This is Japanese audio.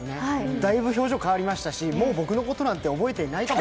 だいぶ表情変わりましたし、もう僕のことなんて覚えていないかも。